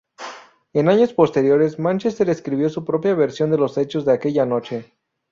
En años posteriores, Manchester escribió su propia versión de los hechos de aquella noche.